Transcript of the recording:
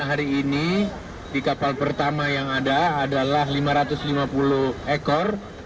hari ini di kapal pertama yang ada adalah lima ratus lima puluh ekor